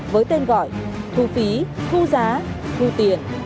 với tên gọi thu phí thu giá thu tiền